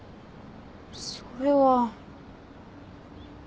それは。